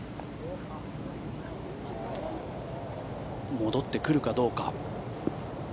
戻ってくるかどうか。